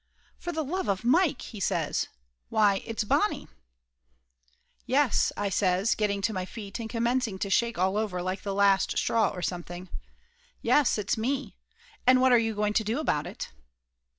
"For the love of Mike !" he says. "Why, it's Bon nie!" "Yes !" I says, getting to my feet and commencing to shake all over like the last straw or something. "Yes, it's me. And what are you going to do about it?"